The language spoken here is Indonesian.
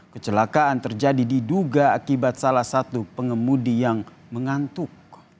kecelakaan terjadi diduga akibat salah satu pengemudi yang mengantuk